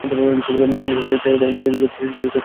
তিনি তাই নিজের জন্য কিছু একটা সমাধানের কথা চিন্তা করছিলেন।